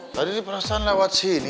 tadi diperasan lewat sini